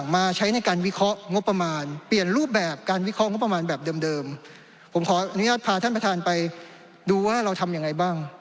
มาท่านประธานไปดูว่าเราทำอย่างไรบ้าง